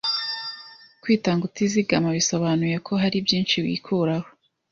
Kwitanga utizigama bisobanuye ko hari byinshi wikuraho